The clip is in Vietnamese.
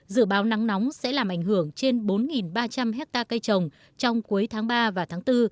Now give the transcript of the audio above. dự báo nắng nóng sẽ làm ảnh hưởng trên bốn ba trăm linh hectare cây trồng trong cuối tháng ba và tháng bốn